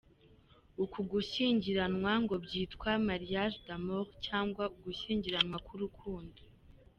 Uku gushyingiranwa ngo byitwa “marriage d’amour” cyangwa ugushyingiranwa k’urukundo.